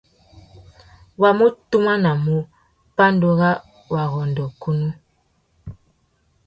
Wa mú tumamú pandúrâwurrôndô kunú.